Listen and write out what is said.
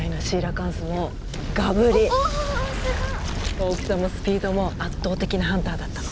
大きさもスピードも圧倒的なハンターだったの。